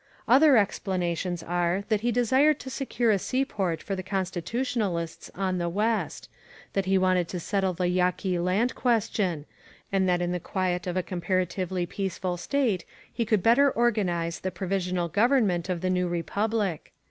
Other explanations are that he desired to secure a seaport for the Constitutionalists on the West; that he wanted to settle the Yaqui land question; and that in the quiet of a comparatively peaceful State he could better organize the provisional government of the new Republic.